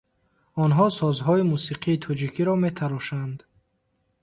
Онҳо созҳои мусиқии тоҷикиро метарошанд.